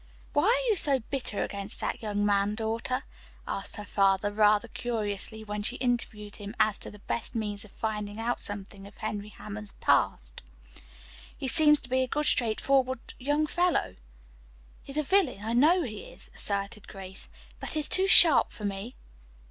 "Why are you so bitter against that young man, daughter?" asked her father rather curiously when she interviewed him as to the best means of finding out something of Henry Hammond's past. "He seems to be a good straight forward young fellow." "He's a villain, I know he is," asserted Grace, "but he's too sharp for me."